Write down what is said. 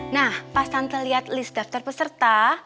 nah pas tante lihat list daftar peserta